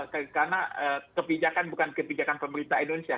karena kebijakan bukan kebijakan pemerintah indonesia